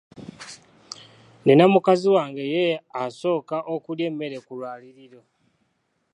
Nina mukazi wange ye asooka okulya emmere ku lwaliiriro.